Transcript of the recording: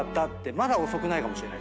まだ遅くないかもしれない。